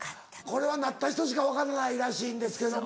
これはなった人しか分からないらしいんですけども。